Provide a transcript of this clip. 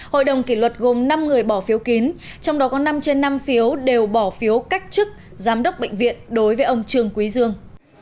hội đồng kỷ luật gồm năm người bỏ phiếu kín trong đó có năm trên năm phiếu đều bỏ phiếu cách chức giám đốc bệnh viện đối với ông trương quý dương